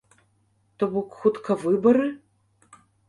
То бок, хутка выбары?